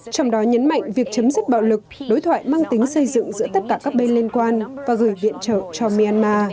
trong đó nhấn mạnh việc chấm dứt bạo lực đối thoại mang tính xây dựng giữa tất cả các bên liên quan và gửi viện trợ cho myanmar